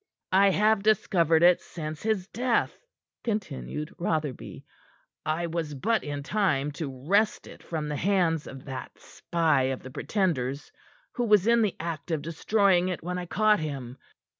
"I have discovered it since his death," continued Rotherby. "I was but in time to wrest it from the hands of that spy of the Pretender's, who was in the act of destroying it when I caught him.